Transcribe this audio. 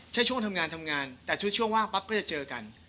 ช่วงทำงานทำงานแต่ชุดช่วงว่างปั๊บก็จะเจอกัน